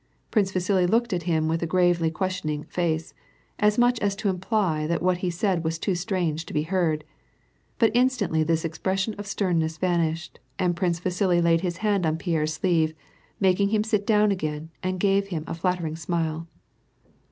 Prince Vasili looked at him with a gravely questioning face, as much as to imply that what he said was too strange to be heard. But instantly this expres sion of sternness vanished, and Prince Vasili laid his hand on Pierre's sleeve, made him sit down again, and gave him a ilat tering smile.